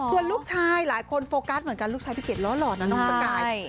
ส่วนลูกชายหลายคนโฟกัสเหมือนกันลูกชายพี่เกดล้อหล่อนะน้องสกาย